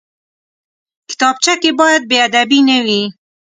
کتابچه کې باید بېادبي نه وي